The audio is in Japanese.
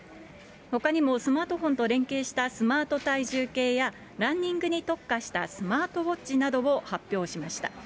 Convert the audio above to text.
ほかにもスマートフォンと連携したスマート体重計や、ランニングに特化したスマートウォッチなどを発表しました。